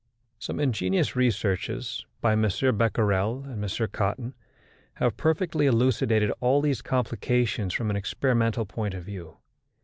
Some ingenious researches by M. Becquerel and M. Cotton have perfectly elucidated all these complications from an experimental point of view.